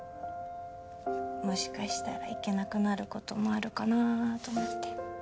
もしかしたら行けなくなることもあるかなと思って。